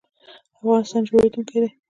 افغانستان جوړیدونکی دی